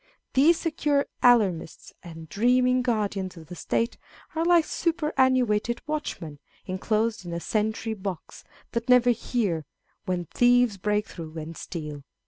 These secure alarmists and dreaming guardians of the State are like superannuated watchmen enclosed in a sentry box, that never hear " when thieves break through and steal."